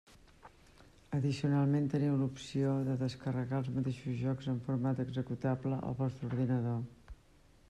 Addicionalment teniu l'opció de descarregar els mateixos jocs en format executable al vostre ordinador.